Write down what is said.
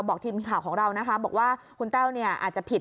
บอกทีมข่าวของเราบอกว่าคุณแต้วอาจจะผิด